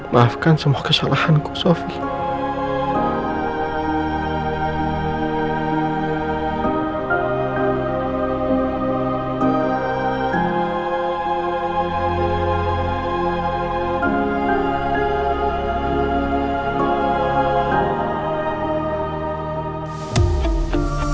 maafkan semua kesalahanku sofia